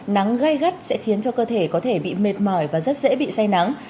nắng gây gắt sẽ khiến cho cơ thể có thể bị mệt mỏi và rất dễ bị say nắng